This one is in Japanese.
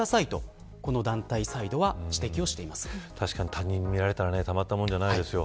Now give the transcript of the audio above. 他人に見られたら確かにたまったものじゃないですよ。